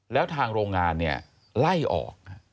แล้วทางโรงงานไล่ออก